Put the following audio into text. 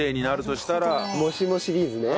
もしもシリーズね。